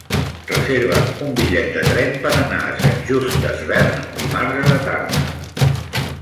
Reserva'm un bitllet de tren per anar a Sant Just Desvern dimarts a la tarda.